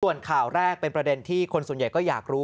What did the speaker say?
ส่วนข่าวแรกเป็นประเด็นที่คนส่วนใหญ่ก็อยากรู้